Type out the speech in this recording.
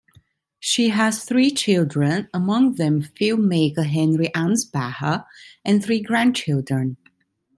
She has three children, among them filmmaker Henry Ansbacher, and three grandchildren.